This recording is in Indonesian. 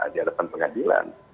di depan pengadilan